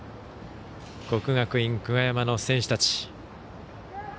国学院久我山の選手たち。